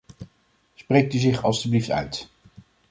Spreekt u zich alstublieft uit.